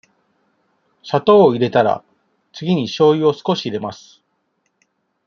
砂糖を入れたら、次にしょうゆを少し入れます。